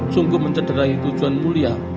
sungguh mencederai tujuan mulia